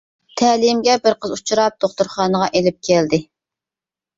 تەلىيىمگە بىر قىز ئۇچراپ دوختۇرخانىغا ئېلىپ كەلدى.